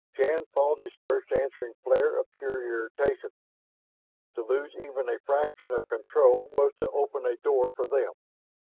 Shann fought his first answering flare of pure irritation. To lose even a fraction of control was to open a door for them.